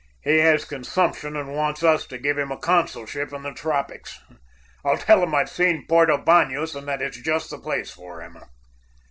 "He has consumption, and wants us to give him a consulship in the tropics. I'll tell him I've seen Porto Banos, and that it's just the place for him."